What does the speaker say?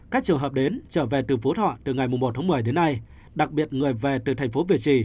các trường hợp đến trở về từ phú thọ từ ngày một tháng một mươi đến nay đặc biệt người về từ thành phố việt trì